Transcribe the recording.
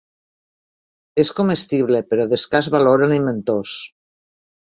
És comestible, però d'escàs valor alimentós.